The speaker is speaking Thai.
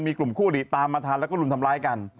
มีกลุ่มคู่หลีตามมาทันแล้วก็รุมทำร้ายกัน